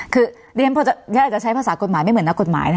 คือฉันอาจจะใช้ภาษากฎหมายไม่เหมือนนักกฎหมายนะ